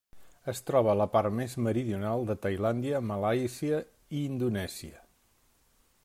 Es troba a la part més meridional de Tailàndia, Malàisia i Indonèsia.